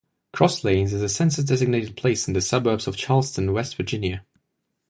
Cross Lanes is a census-designated place in the suburbs of Charleston, West Virginia.